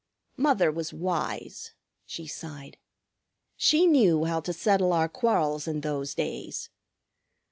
"Mother was wise!" she sighed. "She knew how to settle our quarrels in those days.